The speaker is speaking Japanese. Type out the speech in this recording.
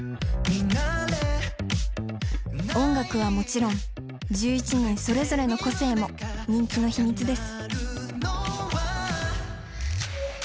音楽はもちろん１１人それぞれの個性も人気の秘密です。